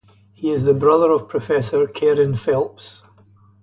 He is the brother of Professor Kerryn Phelps.